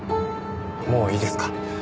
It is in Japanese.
もういいですか？